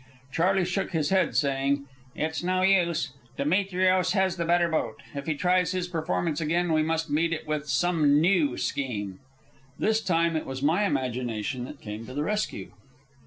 Charley shook his head, saying, "It's no use. Demetrios has the better boat. If he tries his performance again, we must meet it with some new scheme." This time it was my imagination that came to the rescue.